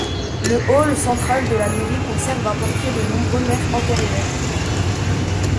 Le hall central de la mairie conserve un portrait de nombreux maires antérieurs.